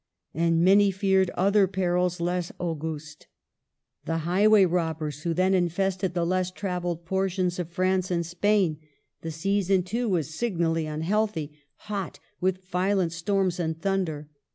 And many feared other perils less au gust, — the highway robbers who then infested the less travelled portions of France and Spain. The season, too, was signally unhealthy, — hot, with violent storms and thunder.